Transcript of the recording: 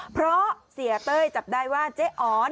เพราะเสียเต้ยจับได้ว่าเจ๊อ๋อ